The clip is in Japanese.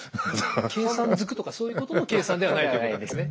計算ずくとかそういうことの計算ではないということですね。